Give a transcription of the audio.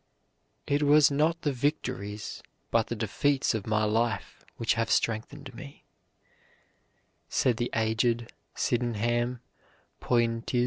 "It was not the victories but the defeats of my life which have strengthened me," said the aged Sidenham Poyntz.